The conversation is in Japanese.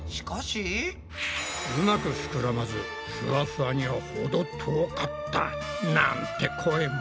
「上手く膨らまずふわふわには程遠かった」なんて声も。